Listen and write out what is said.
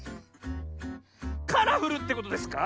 カラフルってことですか？